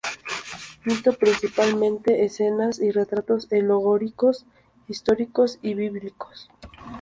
Pintó principalmente escenas y retratos alegóricos, históricos y bíblicos.